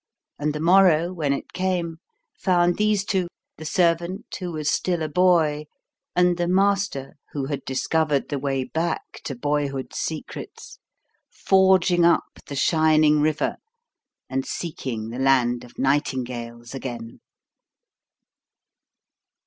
And the morrow, when it came, found these two the servant who was still a boy, and the master who had discovered the way back to boyhood's secrets forging up the shining river and seeking the Land of Nightingales again.